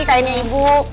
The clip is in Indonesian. ini kainnya ibu